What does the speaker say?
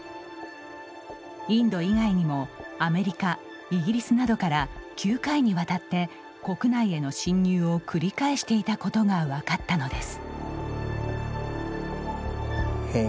インド以外にもアメリカ、イギリスなどから９回にわたって国内への侵入を繰り返していたことが分かったのです。